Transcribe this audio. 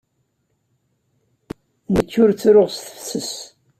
Nekk ur ttruɣ s tefses.